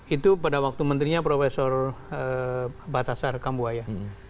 itu pada waktu menterinya prof batasar kambuwaya